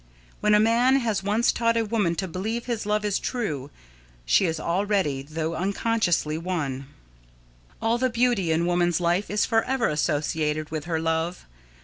When a man has once taught a woman to believe his love is true, she is already, though unconsciously, won. All the beauty in woman's life is forever associated with her love.